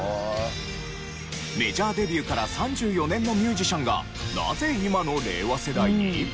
メジャーデビューから３４年のミュージシャンがなぜ今の令和世代に？